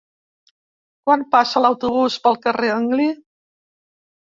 Quan passa l'autobús pel carrer Anglí?